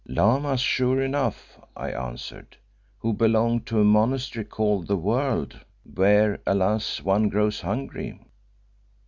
"Lamas sure enough," I answered, "who belong to a monastery called the World, where, alas! one grows hungry."